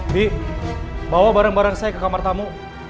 bik bawa barang barang saya ke kamar tamu